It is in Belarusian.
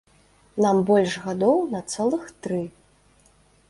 Нам больш гадоў на цэлых тры.